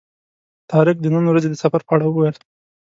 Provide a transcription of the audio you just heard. طارق د نن ورځې د سفر په اړه وویل.